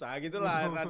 nah gitu lah hernando